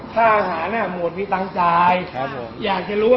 ความสงบถ้าเกี่ยว